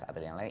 atau yang lain